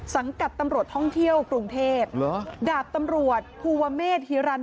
สังกัดตำรวจห้องเที่ยวกรุงเทพฯเหรอฝดตำรวจฮูวเมษฮิรันฯ